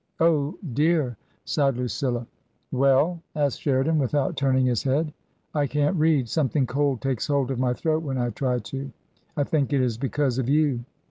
Oh, dear !" sighed Lucilla. Well ?" asked Sheridan, without turning his head. " I can't read. Something cold takes hold of my throat when I try to. I think it is because of you."